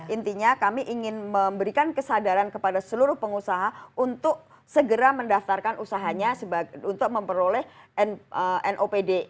intinya kami ingin memberikan kesadaran kepada seluruh pengusaha untuk segera mendaftarkan usahanya untuk memperoleh nopd